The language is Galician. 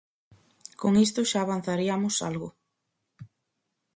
Con isto xa avanzariamos algo.